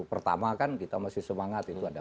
pertama kan kita masih semangat itu ada